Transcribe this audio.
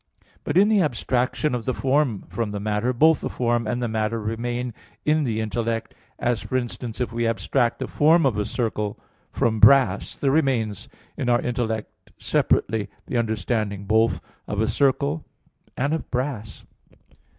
But in the abstraction of the form from the matter, both the form and the matter remain in the intellect; as, for instance, if we abstract the form of a circle from brass, there remains in our intellect separately the understanding both of a circle, and of brass.